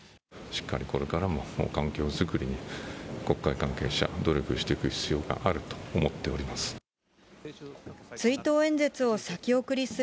しっかりこれからも、環境作りに国会関係者、努力していく必要があると思っております。